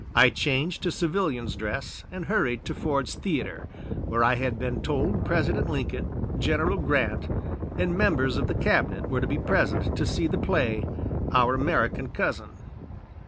I changed to civilian's dress and hurried to Ford's Theatre, where I had been told President Lincoln, General Grant, and Members of the Cabinet were to be present to see the play, "Our American Cousin."